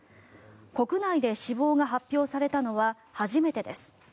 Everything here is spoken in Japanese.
国内で死亡が発表されたのは初めてです。